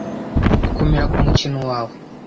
'komera ku mukino wawe.